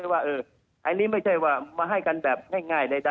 ว่าอันนี้ไม่ใช่ว่ามาให้กันแบบง่ายใด